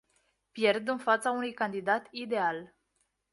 Pierd în fața unui candidat ideal.